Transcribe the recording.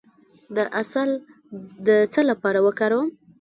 د عسل د څه لپاره وکاروم؟